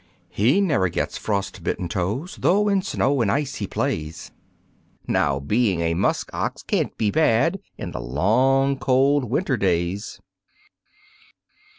He never gets frostbitten toes 'though in snow and ice he plays; Now being a Muskox can't be bad in the long, cold winter days!